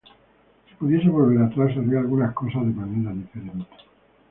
Si pudiese volver atrás, haría algunas cosas de manera diferente".